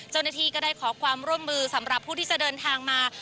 เจ้าหน้าที่ก็ได้ขอความร่วมมือสำหรับผู้ที่จะเดินทางมา